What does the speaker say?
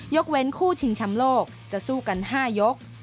เว้นคู่ชิงชำโลกจะสู้กัน๕ยก